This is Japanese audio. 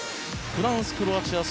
フランス、クロアチア